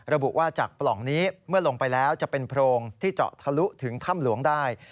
ระบุว่าจากปล่องนี้เมื่อลงไปแล้วจะเป็นโพรงที่เจาะทะลุถึงถ้ำหลวงได้